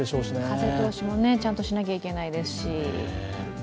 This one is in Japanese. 風通しも、ちゃんとしなきゃいけないですし。